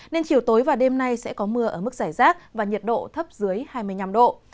nên chiều tối và đêm nay sẽ có mưa ở mức giải rác và nhiệt độ thấp dưới hai mươi năm độ